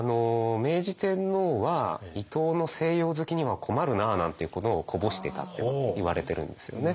明治天皇は「伊藤の西洋好きには困るな」なんていうことをこぼしてたっていわれてるんですよね。